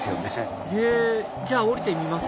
へぇじゃあ降りてみます？